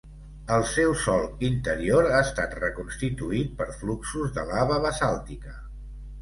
El seu sòl interior ha estat reconstituït per fluxos de lava basàltica.